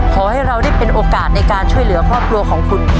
ขอให้เราได้เป็นโอกาสในการช่วยเหลือครอบครัวของคุณ